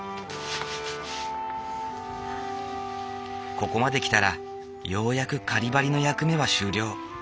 ここまで来たらようやく仮ばりの役目は終了。